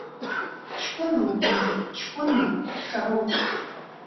Ҷкәынроуп уи, ҷкәынроуп, ҿароуп.